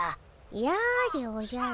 やでおじゃる。